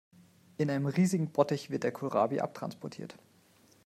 In einem riesigen Bottich wird der Kohlrabi abtransportiert.